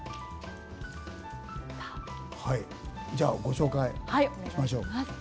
じゃあご紹介しましょう。